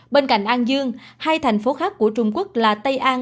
bên cạnh an dương hai thành phố khác của trung quốc là tây an